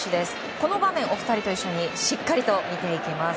この場面お二人と一緒にしっかりと見ていきます。